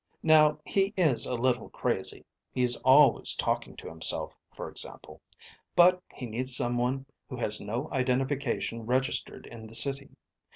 Now, he is a little crazy. He's always talking to himself, for example. But he needs someone who has no identification registered in the City.